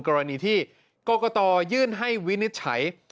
กรณีที่กรกตยื่นให้วินิจฉัย